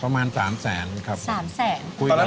ประมาณ๓๐๐๐๐๐บาทครับ๓๐๐๐๐๐บาท